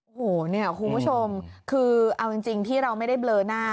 โอ้โหเนี่ยคุณผู้ชมคือเอาจริงที่เราไม่ได้เบลอหน้า